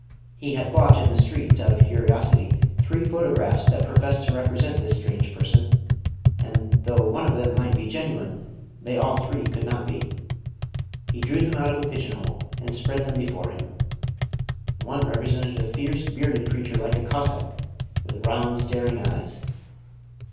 He had bought in the streets, out of curiosity, three photographs that professed to represent this strange person, and though one of them might be genuine they all three could not be. He drew them out of a pigeon hole, and spread them before him. One represented a fierce, bearded creature like a Cossack, with round staring eyes.